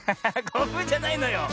こぶじゃないのよ。